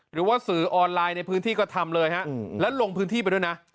หรือว่าสื่อออนไลน์ในพื้นที่ก็ทำเลยฮะแล้วลงพื้นที่ไปด้วยนะ